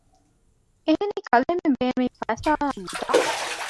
އެހެނީ ކަލޭމެން ބޭނުމީ ފައިސާ އާއި މުދަލު